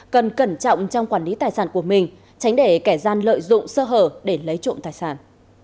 cần cẩn trọng trong quản lý tài sản của mình tránh để kẻ gian lợi dụng sơ hở để lấy trộm tài sản